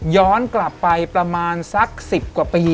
ย้อนกลับไปประมาณสัก๑๐กว่าปี